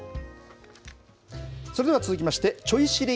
それでは続きまして、ちょい知り！